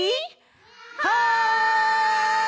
はい！